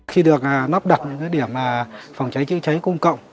khi được lắp đặt những điểm phòng cháy chữa cháy công cộng